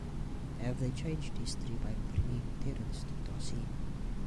Have they changed history by bringing Terence to Tossie?